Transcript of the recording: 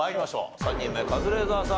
３人目カズレーザーさん